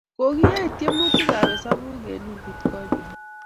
kokiyei tiemutikab esabuuk eng wikitkonye